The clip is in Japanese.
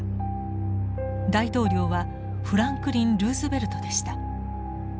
大統領はフランクリン・ルーズベルトでした。